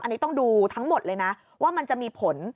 อันนี้ต้องดูทั้งหมดเลยนะว่ามันจะมีผล